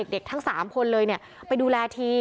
เด็กทั้ง๓คนเลยเนี่ยไปดูแลที